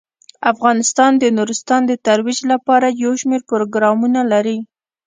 افغانستان د نورستان د ترویج لپاره یو شمیر پروګرامونه لري.